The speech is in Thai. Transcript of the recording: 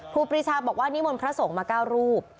ครูปีชาบอกว่านิมนต์พระสงฆ์มา๙รูป